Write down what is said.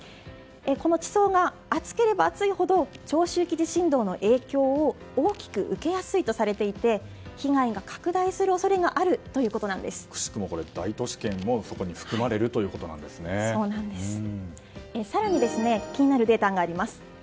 地層が厚ければ厚いほど長周期地震動の影響を大きく受けやすいとされていて被害が拡大する恐れがしかも大都市圏も更に気になるデータがあります。